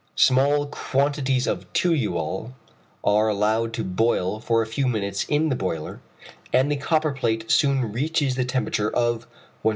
Small quantities of toluol are allowed to boil for a few minutes in the boiler, and the copper plate soon reaches the temperature of 107° 110°.